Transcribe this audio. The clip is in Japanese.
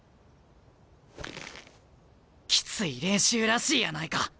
きつい練習らしいやないか。